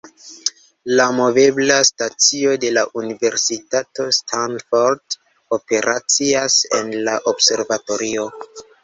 La movebla stacio de la Universitato Stanford operacias en la observatorio.